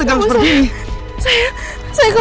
kok kamu kerja lenjang gini